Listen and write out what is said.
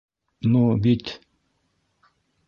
Ну бит...